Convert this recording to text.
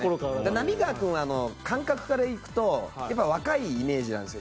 浪川君は感覚からいくと若いイメージなんですよ